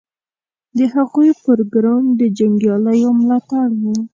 د هغوی پروګرام د جنګیالیو ملاتړ و.